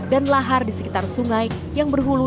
dan lahar di sekitar sungai yang berhulu